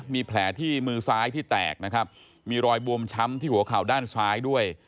มีแผลที่มือซ้ายที่แตกนะครับมีรอยบวมช้ำที่หัวเข่าด้านซ้ายด้วย